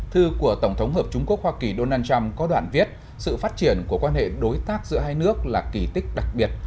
thư của tổng thống hợp chúng quốc hoa kỳ donald trump có đoạn viết sự phát triển của quan hệ đối tác giữa hai nước là kỳ tích đặc biệt